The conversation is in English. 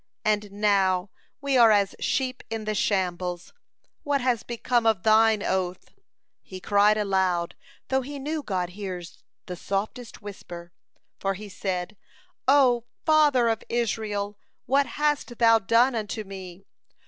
And now we are as sheep in the shambles. What has become of Thine oath?" (124) He cried aloud, though he knew God hears the softest whisper, for he said: "O Father of Israel, what hast Thou done unto me?